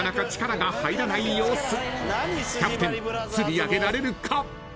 ［キャプテン釣り上げられるか？］